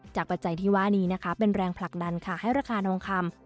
ปัจจัยที่ว่านี้นะคะเป็นแรงผลักดันค่ะให้ราคาทองคำ